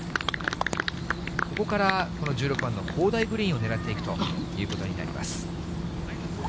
ここからこの１６番の砲台グリーンを狙っていくということになります。